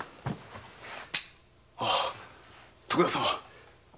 ああ徳田様。